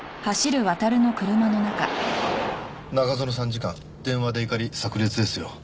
中園参事官電話で怒り炸裂ですよ。